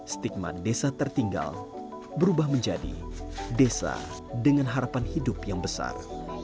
stigma desa tertinggal berubah menjadi desa dengan harapan hidup yang besar